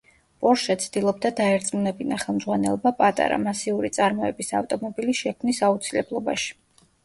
პორშე ცდილობდა დაერწმუნებინა ხელმძღვანელობა პატარა, მასიური წარმოების ავტომობილის შექმნის აუცილებლობაში.